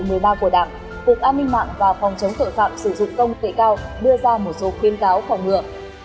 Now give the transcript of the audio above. đời ba của đảng phục an ninh mạng và phòng chống tội phạm sử dụng công nghệ cao đưa ra một số khuyên cáo phòng ngừa